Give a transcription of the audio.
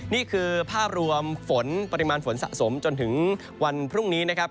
นี่คือภาพรวมฝนปริมาณฝนสะสมจนถึงวันพรุ่งนี้นะครับ